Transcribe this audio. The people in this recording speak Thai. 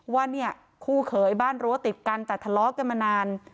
ว่าเนี่ยคู่เขยบ้านรั้วติดกันแต่ทะเลาะกันมานาน